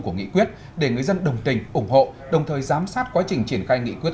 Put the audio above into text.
của nghị quyết để người dân đồng tình ủng hộ đồng thời giám sát quá trình triển khai nghị quyết